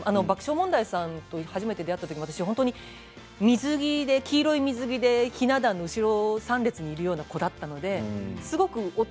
爆笑問題さんと初めて出会ったとき私は黄色い水着でひな壇の後ろ３列にいるような子だったんです。